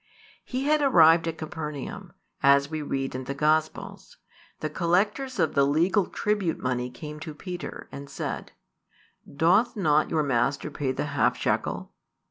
He had arrived at Capernaum, as we read in the Gospels: the collectors of the legal tribute money came to Peter, and said: Doth not your Master pay the half shekel?